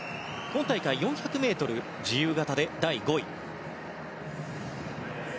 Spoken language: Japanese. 今大会、４００ｍ自由形で第５位。